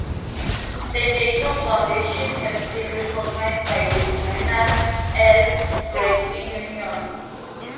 The date of foundation has been recognized by the Buenos Aires Rugby Union.